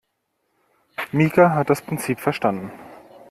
Mika hat das Prinzip verstanden.